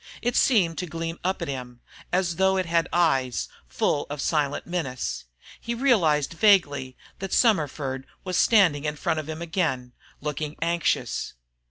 It seemed to gleam up at him, as though it had eyes, full of silent menace. He realized vaguely that Summerford was standing in front of him again, looking anxious.